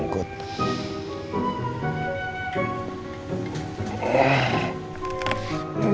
apalagi untuk temen dua kau